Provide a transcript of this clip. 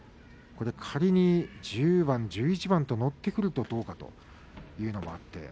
仮に１０番１１番と乗ってくるとどうかというのがありますね。